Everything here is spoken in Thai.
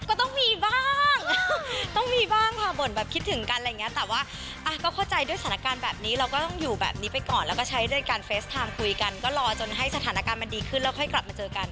ก็ต้องมีบ้างต้องมีบ้างค่ะบ่นแบบคิดถึงกันอะไรอย่างนี้แต่ว่าก็เข้าใจด้วยสถานการณ์แบบนี้เราก็ต้องอยู่แบบนี้ไปก่อนแล้วก็ใช้ด้วยการเฟสไทม์คุยกันก็รอจนให้สถานการณ์มันดีขึ้นแล้วค่อยกลับมาเจอกัน